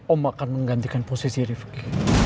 om akan menggantikan posisi rifki